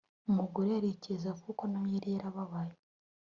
umugore arikiriza kuko na we yari yarababaye